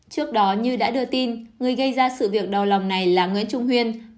trước đó như đã đưa tin người gây ra sự việc đau lòng này là nguyễn trung huyên